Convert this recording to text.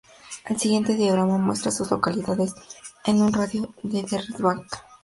El siguiente diagrama muestra a las localidades en un radio de de Red Bank.